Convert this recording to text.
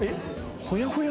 ほやほや？